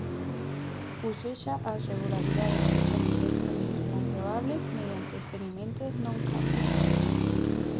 Ou sexa, as regularidades que son directamente comprobables mediante experimentos non cambian.